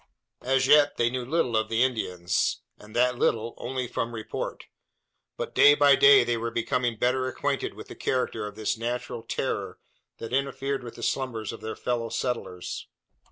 As yet they knew little of the Indians, and that little only from report; but, day by day, they were becoming better acquainted with the character of this natural "terror" that interfered with the slumbers of their fellow settlers.